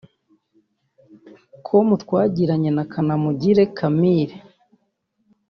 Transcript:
com twagiranye na Kanamugire Camille